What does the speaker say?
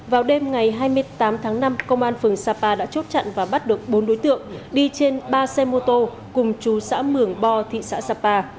vào đêm ngày hai mươi tám tháng năm công an phường sapa đã chốt chặn và bắt được bốn đối tượng đi trên ba xe mô tô cùng chú xã mường bo thị xã sapa